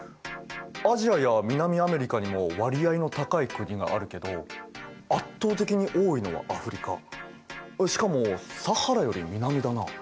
アジアや南アメリカにも割合の高い国があるけど圧倒的に多いのはアフリカしかもサハラより南だな。